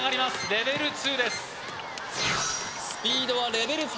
レベル２です